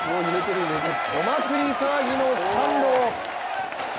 お祭り騒ぎのスタンド。